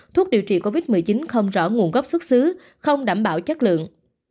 thuốc điều trị covid một mươi chín không rõ nguồn gốc xuất xứ không đảm bảo chất lượng